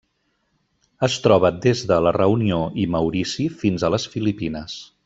Es troba des de la Reunió i Maurici fins a les Filipines.